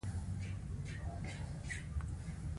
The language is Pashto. زه د سندرغاړو خبرې اورم.